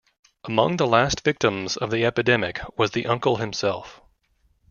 Among the last victims of the epidemic was the uncle himself.